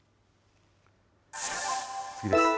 次です。